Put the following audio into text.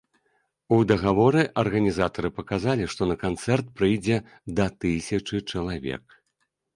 У дагаворы арганізатары паказалі, што на канцэрт прыйдзе да тысячы чалавек.